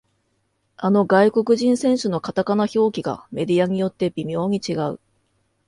あの外国人選手のカタカナ表記がメディアによって微妙に違う